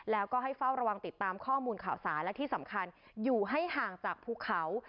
แล้วก็ให้เฝ้าระวังติดตามข้อมูลข่าวสารและที่สำคัญอยู่ให้ห่างจากภูเขา